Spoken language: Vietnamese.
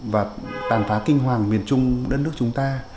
và tàn phá kinh hoàng miền trung đất nước chúng ta